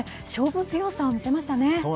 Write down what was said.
勝負強さを見せましたね。